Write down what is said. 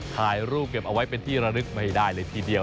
ถ่ายรูปเก็บเอาไว้เป็นที่ระลึกไม่ได้เลยทีเดียว